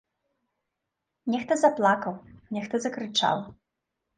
Нехта заплакаў, нехта закрычаў.